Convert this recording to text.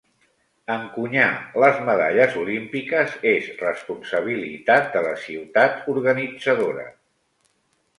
Encunyar les medalles olímpiques és responsabilitat de la ciutat organitzadora.